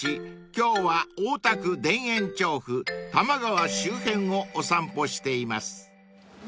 今日は大田区田園調布多摩川周辺をお散歩しています］